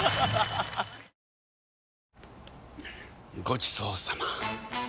ごちそうさま！